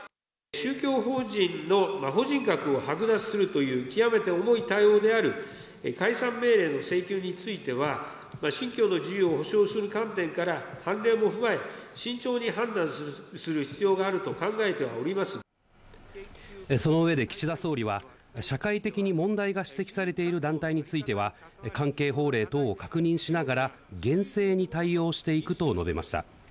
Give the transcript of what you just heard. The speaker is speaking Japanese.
宗教法人の法人格を剥奪するという極めて重い対応であり、解散命令の請求については、信教の自由を保障する観点から、判例も踏まえ、慎重に判断する必その上で岸田総理は、社会的に問題が指摘されている団体については、関係法令等を確認しながら、厳正に対応していくと述べました。